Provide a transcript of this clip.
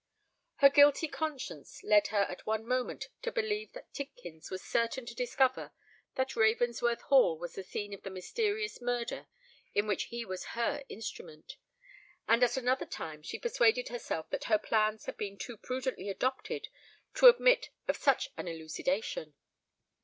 Her guilty conscience led her at one moment to believe that Tidkins was certain to discover that Ravensworth Hall was the scene of the mysterious murder in which he was her instrument; and at another time she persuaded herself that her plans had been too prudently adopted to admit of such an elucidation.